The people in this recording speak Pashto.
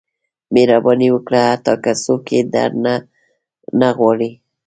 • مهرباني وکړه، حتی که څوک یې درنه نه غواړي.